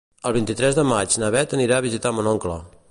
El vint-i-tres de maig na Beth anirà a visitar mon oncle.